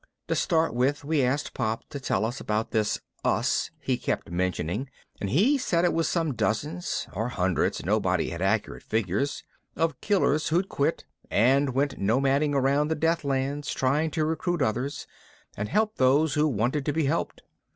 To start with we asked Pop to tell us about this "us" he kept mentioning and he said it was some dozens (or hundreds nobody had accurate figures) of killers who'd quit and went nomading around the Deathlands trying to recruit others and help those who wanted to be helped.